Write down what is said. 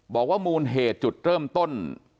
บอกว่ามูลเหตุจุดเริ่มต้น